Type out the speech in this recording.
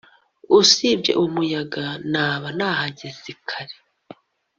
usibye umuyaga, naba nahageze kare